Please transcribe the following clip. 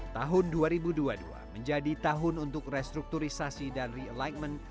tahun dua ribu dua puluh dua menjadi tahun untuk restrukturisasi dan realigment